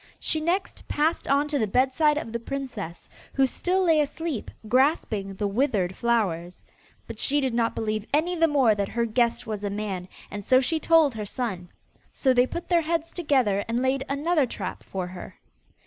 She next passed on to the bedside of the princess, who still lay asleep grasping the withered flowers. But she did not believe any the more that her guest was a man, and so she told her son. So they put their heads together and laid another trap for her.